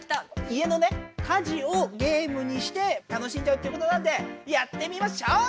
家事をゲームにして楽しんじゃうっていうことなんでやってみましょう！